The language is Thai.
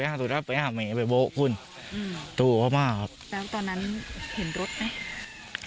แต่ตอนนั้นยังไม่รู้ว่ามีศพ